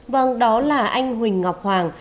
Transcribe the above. vâng đó là anh huỳnh ngọc hoàng